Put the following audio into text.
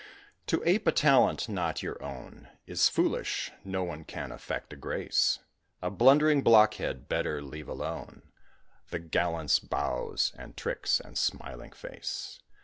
To ape a talent not your own Is foolish; no one can affect a grace. A blundering blockhead better leave alone The gallant's bows, and tricks, and smiling face.